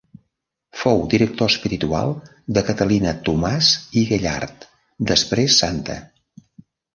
Fou director espiritual de Catalina Tomàs i Gallard, després santa.